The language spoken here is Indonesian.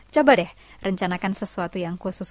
coba deh rencanakan sesuatu yang khusus